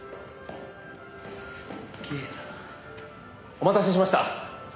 お待たせしました。